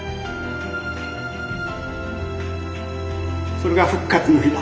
それが「復活の日」だ！